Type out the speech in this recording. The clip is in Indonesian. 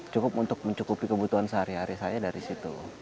cukup untuk mencukupi kebutuhan sehari hari saya dari situ